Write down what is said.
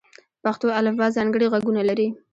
پښتو الفبې ځانګړي غږونه لري.